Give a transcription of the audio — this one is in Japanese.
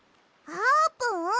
あーぷん！？